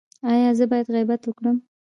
ایا زه باید غیبت وکړم؟